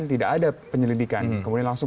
tidak ada penyelidikan kemudian langsung